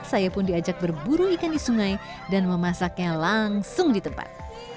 saya pun diajak berburu ikan di sungai dan memasaknya langsung di tempat